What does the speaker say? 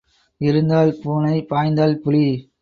இருந்தால் பூனை பாய்ந்தால் புலி.